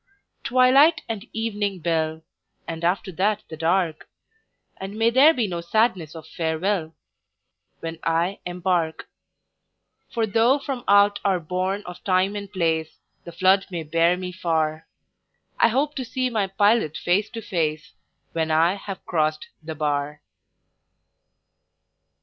Twilight and evening bell, And after that the dark! And may there be no sadness of farewell, When I embark; For tho' from out our bourne of Time and Place The flood may bear me far, I hope to see my Pilot face to face When I have crost the bar.